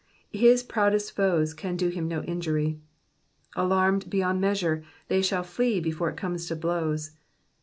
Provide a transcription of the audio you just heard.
His proudest foes can do him no injury. Alarmed beyond measure, they shall flee before it comes to blows.